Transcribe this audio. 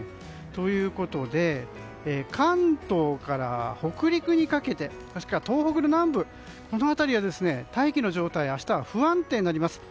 ということで関東から北陸にかけてもしくは東北の南部あたりは明日は大気の状態が不安定になります。